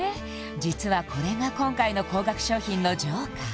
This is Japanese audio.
実はこれが今回の高額商品のＪＯＫＥＲ